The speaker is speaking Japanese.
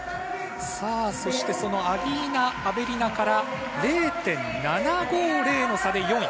そしてそのアリーナ・アベリナから０．７５０の差で４位。